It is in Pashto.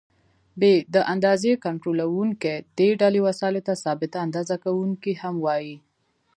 ب: د اندازې کنټرولوونکي: دې ډلې وسایلو ته ثابته اندازه کوونکي هم وایي.